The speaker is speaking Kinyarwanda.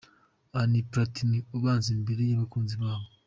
Aha ni Platini ubanza imbere y'abakunzi babo.